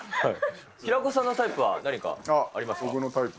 平子さんのタイプは何かあり僕のタイプ。